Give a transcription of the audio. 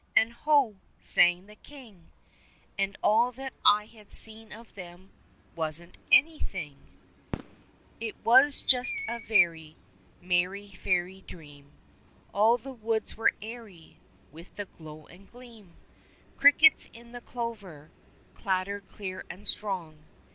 And Ho ! sang the king — And all that I had seen of them — Wasn't anything ! It was just a very Merry fairy dream ! All the woods were airy With the glow and gleam ; Crickets in the clover Clattered clear and strong.